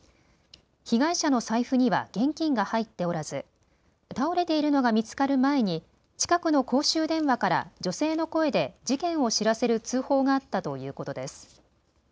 被害者の財布には現金が入っておらず倒れているのが見つかる前に近くの公衆電話から女性の声で事件を知らせる通報があったということです。